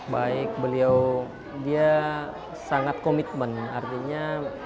baik beliau dia sangat komitmen artinya